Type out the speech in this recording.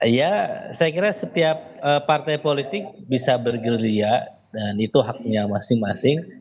ya saya kira setiap partai politik bisa bergeria dan itu haknya masing masing